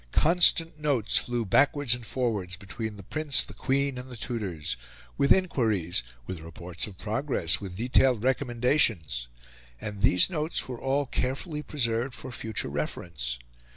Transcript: Constant notes flew backwards and forwards between the Prince, the Queen, and the tutors, with inquiries, with reports of progress, with detailed recommendations; and these notes were all carefully preserved for future reference.